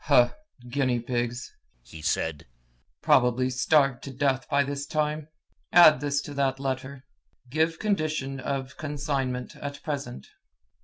"Huh! guinea pigs!" he said. "Probably starved to death by this time! Add this to that letter: 'Give condition of consignment at present.'"